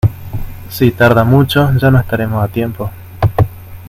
Si tarda mucho ya no estaremos a tiempo.